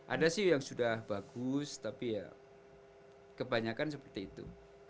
ada sih yang sudah bagus tapi ya kebanyakan seperti itu